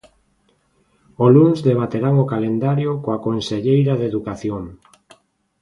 O luns debaterán o calendario coa conselleira de Educación.